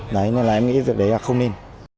đấy nên là em nghĩ việc đấy là không nên